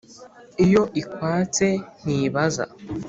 iyo ikwatse ntibaza!